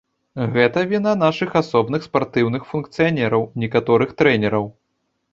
Гэта віна нашых асобных спартыўных функцыянераў, некаторых трэнераў.